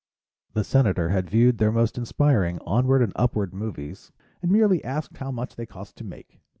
The Senator had viewed their most inspiring onward and upward movies and merely asked how much they cost to make.